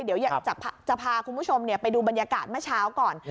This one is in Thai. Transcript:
เดี๋ยวจะพาคุณผู้ชมไปดูบรรยากาศเมื่อเช้าก่อน